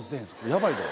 やばいぞ。